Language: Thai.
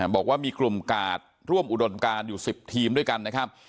บอกว่ามีกลุ่มกาดร่วมอุดมการอยู่๑๐ทีมด้วยกันนะครับ